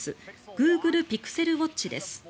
グーグル・ピクセル・ウォッチです。